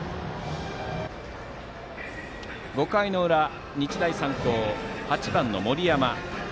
５回の裏、日大三高８番の森山。